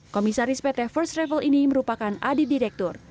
komisaris pt first travel ini merupakan adik direktur